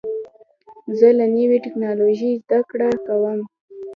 زه له نوې ټکنالوژۍ زده کړه کوم.